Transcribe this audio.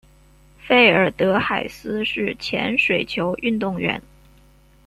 费尔德海斯是前水球运动员。